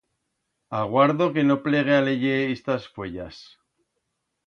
Aguardo que no plegue a leyer istas fuellas.